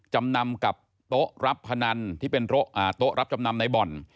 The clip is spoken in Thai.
จำนำกับโต๊ะรับพนันที่เป็นโต๊ะรับจำนำในบ่อน